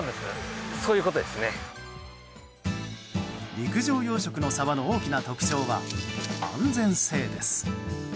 陸上養殖のサバの大きな特徴は安全性です。